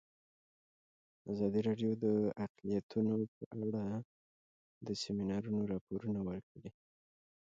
ازادي راډیو د اقلیتونه په اړه د سیمینارونو راپورونه ورکړي.